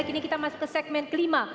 kini kita masuk ke segmen kelima